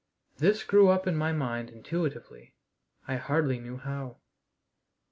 This grew up in my mind intuitively I hardly knew how.